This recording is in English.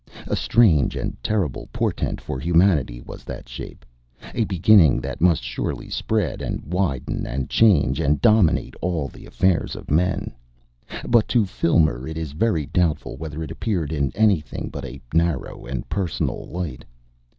A strange and terrible portent for humanity was that shape, a beginning that must surely spread and widen and change and dominate all the affairs of men, but to Filmer it is very doubtful whether it appeared in anything but a narrow and personal light.